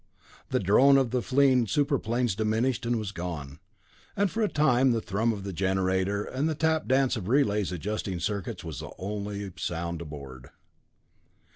The drone of the fleeing super planes diminished and was gone, and for a time the thrum of the generator and the tap dance of relays adjusting circuits was the only sound aboard.